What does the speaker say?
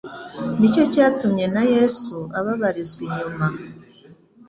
ni cyo cyatumye na yesu ababarizwa inyuma